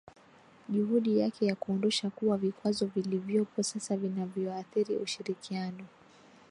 Juhudi yake ya kuondosha kuwa vikwazo vilivyopo sasa vinavyoathiri ushirikiano